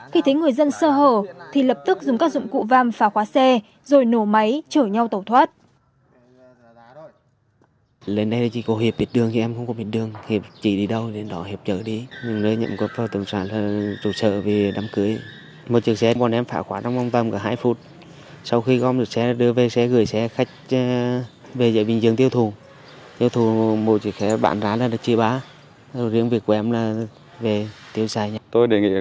khi thấy người dân sơ hở thì lập tức dùng các dụng cụ vam phá khóa xe rồi nổ máy chở nhau tẩu thoát